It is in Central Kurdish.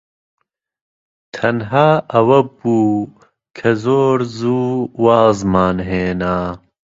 تەنها ئەوە بوو کە زۆر زوو وازمان هێنا.